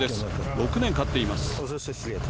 ６年、飼っています。